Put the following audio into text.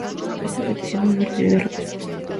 Esta petición aún no ha recibido respuesta.